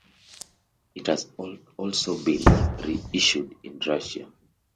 It has also been reissued in Russia.